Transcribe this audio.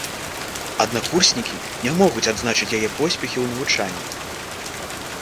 Аднакурснікі не могуць адзначыць яе поспехі ў навучанні.